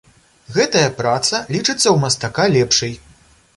Гэтая праца лічыцца ў мастака лепшай.